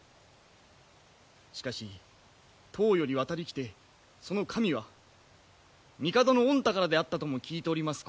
しかし唐より渡り来てそのかみは帝の御宝であったとも聞いております